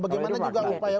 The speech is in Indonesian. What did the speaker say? bagaimana juga upaya